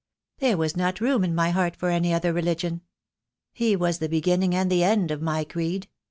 There was not room in my heart for any other religion. He was the beginning and the end of my creed.